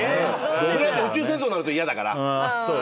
その後宇宙戦争になると嫌だから。